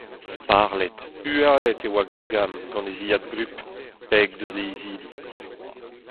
Sparlet, hualet e oa Gargam gant e zilhad gleb, peg eus e izili.